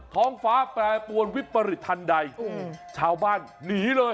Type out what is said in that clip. ท้องฟ้าแปรปวนวิปริตทันใดชาวบ้านหนีเลย